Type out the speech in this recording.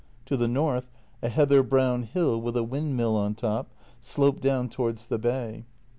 To the north a heather brown hill with a windmill on top sloped down towards the bay.